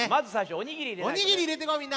おにぎりいれてこうみんな。